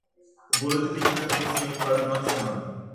O boleto tem data de vencimento para o final da semana